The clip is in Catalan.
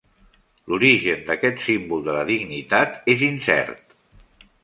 L'origen d'aquest símbol de la dignitat és incert.